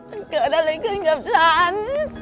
มันเกิดอะไรขึ้นกับฉัน